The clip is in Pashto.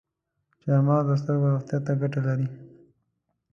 چارمغز د سترګو روغتیا ته ګټه لري.